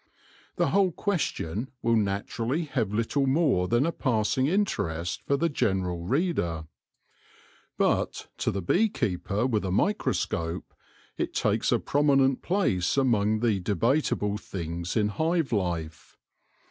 The whole ques tion will naturally have little more than a passing interest for the general reader ; but, to the bee keeper with a microscope, it takes a prominent place among the debatable things in hive life.